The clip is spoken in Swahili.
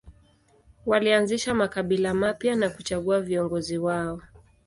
Walianzisha makabila mapya na kuchagua viongozi wao.